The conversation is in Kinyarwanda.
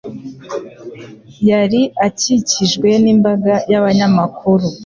Yari akikijwe n'imbaga y'abanyamakuru.